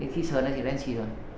khi sờn thì đen xì rồi